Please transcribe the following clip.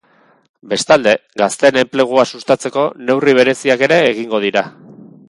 Bestalde, gazteen enplegua sustatzeko neurri bereziak ere egingo dira.